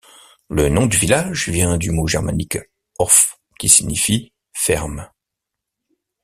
Le nom du village vient du mot germanique Hof qui signifie ferme.